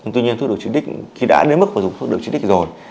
tuy nhiên thuốc độc trích đích khi đã đến mức dùng thuốc độc trích đích rồi